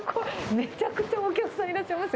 めちゃくちゃお客さんいらっしゃいますよ。